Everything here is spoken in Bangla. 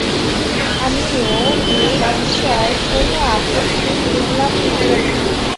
আমিও এ বিষয়ে কোনো আপত্তি তুললাম না।